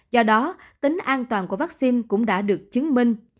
do đó tính an toàn của vắc xin cũng đã được chứng minh